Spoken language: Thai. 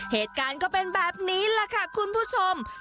เหตุการณ์ก็เป็นแบบนี้แหละค่ะคุณผู้ชม